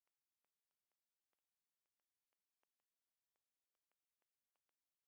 পরের বছর নিজেকে বোলার হিসেবে পরিচিতি ঘটান।